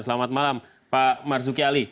selamat malam pak marzuki ali